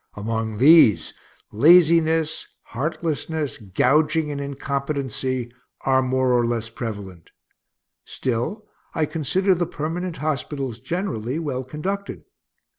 Among these, laziness, heartlessness, gouging, and incompetency are more or less prevalent. Still, I consider the permanent hospitals, generally, well conducted.